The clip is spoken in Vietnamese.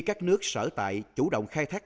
các nước sở tại chủ động khai thác